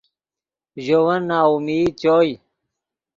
ژے ون ناامید چوئے